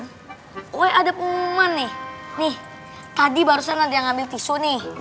wah ada penguman nih nih tadi barusan ada yang ngambil tisu nih